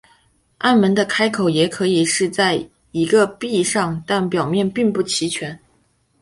暗门的开口也可以是在一个壁上但表面并不齐平。